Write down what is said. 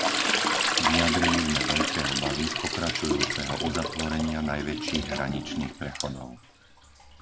Vyjadrili sme veľké obavy z pokračujúceho uzatvorenia najväčších hraničných prechodov.